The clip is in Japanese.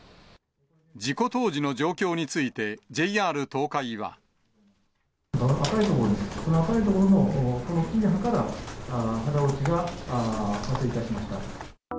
事故当時の状況について、赤い所、この赤い所の切り羽から、肌落ちが発生いたしました。